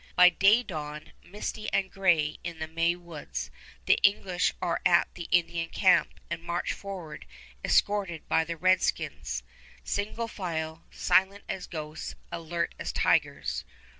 By day dawn, misty and gray in the May woods, the English are at the Indian camp and march forward escorted by the redskins, single file, silent as ghosts, alert as tigers.